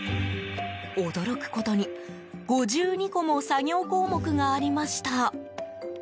驚くことに５２個も作業項目がありました。